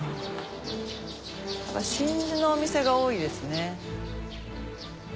真珠のお店が多いですね。